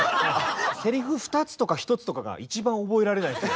せりふ２つとか１つとかが一番覚えられないんですよ。